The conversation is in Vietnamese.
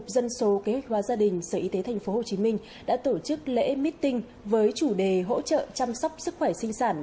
dân số kế hoạch hóa gia đình sở y tế tp hcm đã tổ chức lễ meeting với chủ đề hỗ trợ chăm sóc sức khỏe sinh sản